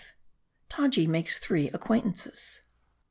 TAJI MAKES THREE ACQUAINTANCES.